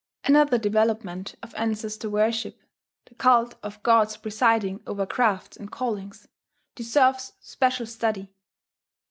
Another development of ancestor worship the cult of gods presiding over crafts and callings deserves special study.